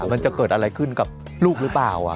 มันจะเกิดอะไรขึ้นกับลูกหรือเปล่า